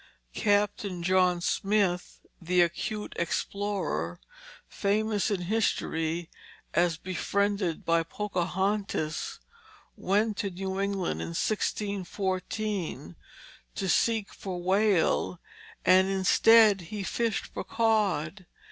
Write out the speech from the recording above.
Captain John Smith, the acute explorer, famous in history as befriended by Pocahontas, went to New England, in 1614, to seek for whale, and instead he fished for cod.